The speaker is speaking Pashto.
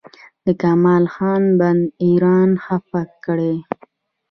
د کمال خان بند ایران خفه کړی؟